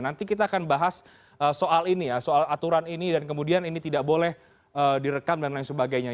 nanti kita akan bahas soal ini ya soal aturan ini dan kemudian ini tidak boleh direkam dan lain sebagainya